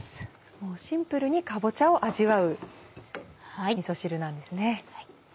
もうシンプルにかぼちゃを味わうみそ汁なんですね。